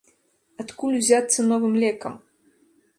Адкуль узяцца новым лекам?